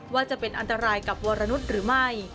ว่าจะเป็นอันตรายกับวรนุษย์หรือไม่